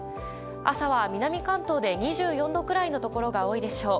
朝は南関東で２４度くらいのところが多いでしょう。